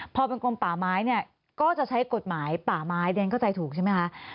พอเป็นกลมป่าไม้เนี่ยก็จะใช้กฎหมายป่าไม้เรียนเข้าใจถูกใช่ไหมคะ